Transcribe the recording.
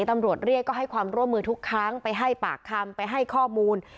ตำรวจเรียกก็ให้ความร่วมมือทุกครั้งไปให้ปากคำไปให้ข้อมูล